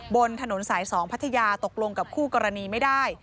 บนถนนสาย๒พัทยาตกลงกับคู่กรณีไม่ได้